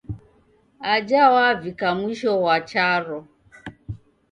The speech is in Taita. Aja wavika mwisho ghwa charo.